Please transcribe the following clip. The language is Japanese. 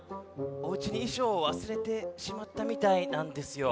おうちにいしょうをわすれてしまったみたいなんですよ。